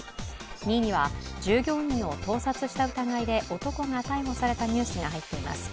２位には従業員を盗撮した疑いで男が逮捕されたニュースが入っています。